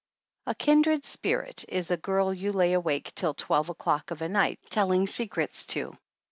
A kindred spirit is a girl you lay awake till twelve o'clock of a night telling secrets to.